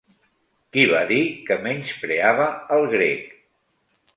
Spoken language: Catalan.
Qui va dir que menyspreava el grec?